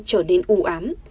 trở đến ủ ám